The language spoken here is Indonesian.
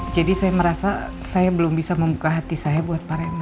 jadi saya merasa saya belum bisa membuka hati saya buat pak remo